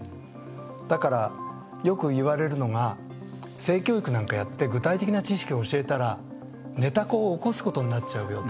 だからよく言われるのが性教育なんかやって具体的な知識を教えたら寝た子を起こすことになっちゃう。